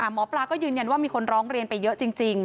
หมอปลาก็ยืนยันว่ามีคนร้องเรียนไปเยอะจริง